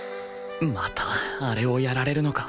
またあれをやられるのか